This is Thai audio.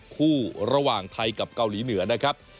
คู่ระหว่างไทยกับเกาหลีเหนือนะครับ